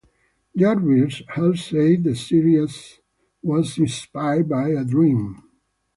Jarvis has said the series was inspired by a dream.